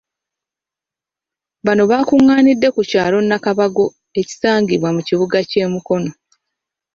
Bano bakungaanidde ku kyalo Nakabago ekisangibwa mu kibuga ky'e Mukono.